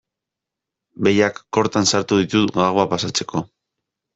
Behiak kortan sartu ditut gaua pasatzeko.